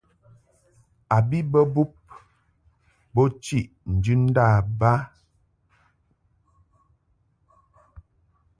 A bi bə bub bo chiʼ njɨndab ba.